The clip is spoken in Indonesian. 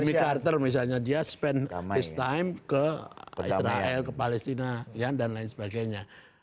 jimmy carter misalnya dia spend his time ke israel ke palestina dan lain sebagainya